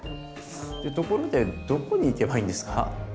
でところでどこに行けばいいんですか？